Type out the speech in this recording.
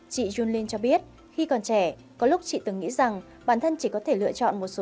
chị junlin cho biết khi còn trẻ có lúc chị từng nghĩ rằng bản thân chỉ có thể lựa chọn một số